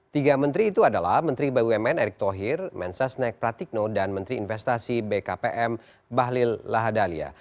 tiga menteri itu adalah menteri bumn erick thohir mensesnek pratikno dan menteri investasi bkpm bahlil lahadalia